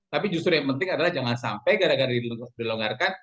tapi justru yang penting adalah jangan sampai gara gara dilonggarkan